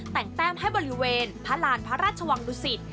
แต่งแต้มให้บริเวณพระราณพระราชวังดุสิต